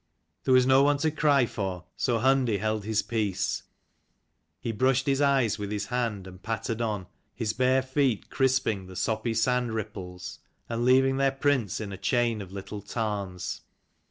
There was no one to cry for, so Hundi held his peace : he brushed his eyes with his hand and pattered on, his bare feet crisping the soppy sand ripples, and leaving their prints in a chain of little tarns.